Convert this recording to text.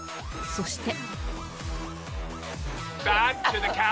そして。